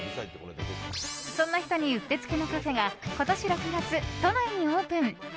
そんな人にうってつけのカフェが今年６月、都内にオープン。